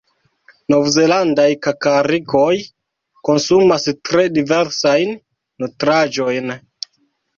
Novzelandaj kakarikoj konsumas tre diversajn nutraĵojn.